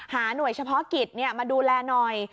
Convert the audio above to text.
หน่วยเฉพาะกิจมาดูแลหน่อย